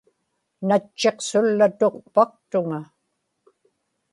natchiqsullatuqpaktuŋa